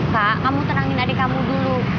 pak kamu tenangin adik kamu dulu